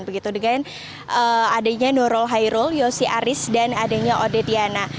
begitu dengan adanya nurul hairul yosi aris dan adanya ode diana